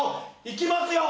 いきますよ！